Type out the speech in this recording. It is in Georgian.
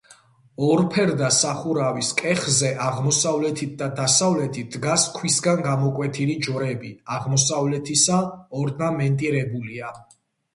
ორფერდა სახურავის კეხზე აღმოსავლეთით და დასავლეთით დგას ქვისგან გამოკვეთილი ჯვრები, აღმოსავლეთისა ორნამენტირებულია.